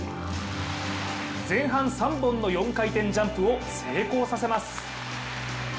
前半３本の４回転ジャンプを成功させます。